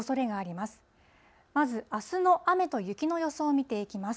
まずあすの雨と雪の予想を見ていきます。